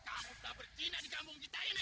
kamu sudah ber saying di kampung kita ya